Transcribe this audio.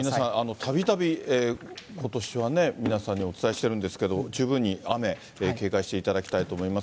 たびたび、ことしは皆さんにお伝えしてるんですけど、十分に雨、警戒していただきたいと思います。